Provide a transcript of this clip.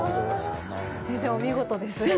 先生、お見事です。